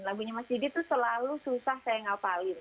lagunya mas didi itu selalu susah saya ngapalin